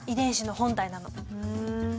ふん。